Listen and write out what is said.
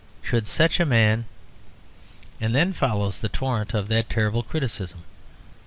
Should such a man " And then follows the torrent of that terrible criticism.